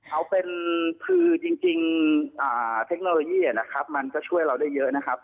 เอาเป็นคือจริงเทคโนโลยีนะครับมันก็ช่วยเราได้เยอะนะครับ